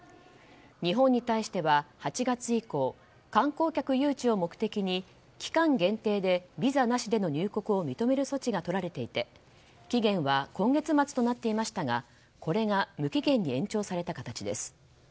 日本に対しては８月以降、観光客誘致を目的に期間限定でビザなしでの渡航を認める措置をとられていて期限は今月末となっていましたがこれが無期限に延長された形です。